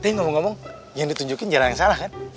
tapi ngomong ngomong yang ditunjukin jalan yang salah kan